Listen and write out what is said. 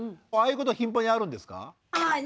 ああいうことは頻繁にあるんですか？